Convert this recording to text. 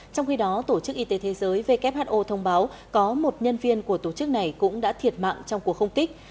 trong khi đó tổ chức y tế thế giới who thông báo có một nhân viên của tổ chức này cũng đã thiệt mạng trong cuộc không kích